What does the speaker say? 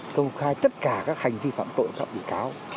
công khai tất cả các hành vi phạm tội các bị cáo